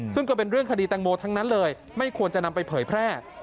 ซึ่งก็เป็นเรื่องคดีแตงโมทั้งนั้นเลยไม่ควรจะนำไปเผยแพร่